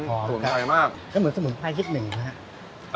หอมครับก็เหมือนสมุนไพรที่หนึ่งนะฮะ